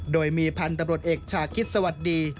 โดยมีพันธุ์ตำรวจเอกชาคิดสวัสดี